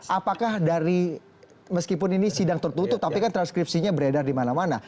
apakah dari meskipun ini sidang tertutup tapi kan transkripsinya beredar di mana mana